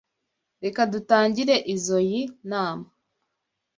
Reka dutangire izoi nama.